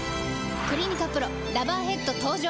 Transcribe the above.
「クリニカＰＲＯラバーヘッド」登場！